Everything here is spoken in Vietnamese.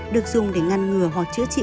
được dùng để ngăn ngừa hoặc chữa trị